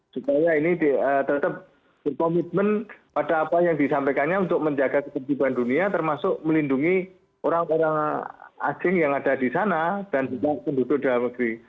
supaya ini tetap berkomitmen pada apa yang disampaikannya untuk menjaga ketertiban dunia termasuk melindungi orang orang asing yang ada di sana dan juga penduduk dalam negeri